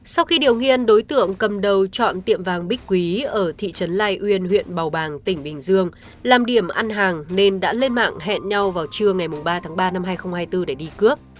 sau khi điều nghiên đối tượng cầm đầu chọn tiệm vàng bích quý ở thị trấn lai uyên huyện bào bàng tỉnh bình dương làm điểm ăn hàng nên đã lên mạng hẹn nhau vào trưa ngày ba tháng ba năm hai nghìn hai mươi bốn để đi cướp